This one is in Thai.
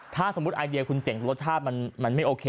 ถ้าสมมุติไอเดียคุณเจ๋งรสชาติมันไม่โอเค